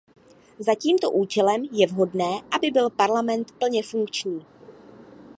Za tímto účelem je vhodné, aby byl Parlament plně funkční.